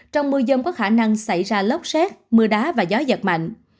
trong mưa dông có khả năng xảy ra lốc xét mưa đá và gió giật mạnh